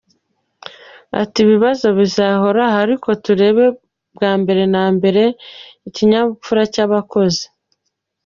Ati “Ibibazo bizahoraho ariko tureba bwa mbere na mbere ikinyabupfura cy’abakozi.